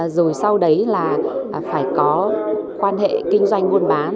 rồi sau đấy là phải có quan hệ kinh doanh buôn bán